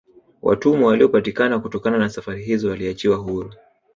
Watumwa waliopatikana kutokana na safari hizo waliachiwa huru